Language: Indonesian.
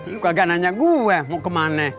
lu kagak nanya gue mau kemana